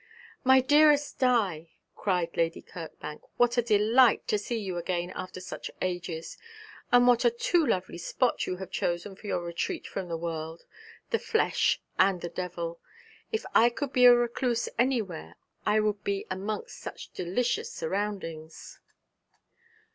'My dearest Di,' cried Lady Kirkbank, 'what a delight to see you again after such ages; and what a too lovely spot you have chosen for your retreat from the world, the flesh, and the devil. If I could be a recluse anywhere, it would be amongst just such delicious surroundings.'